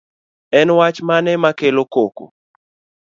En wach mane makelo koko